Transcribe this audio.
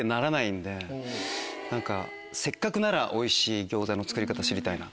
何かせっかくならおいしい餃子の作り方知りたいなと。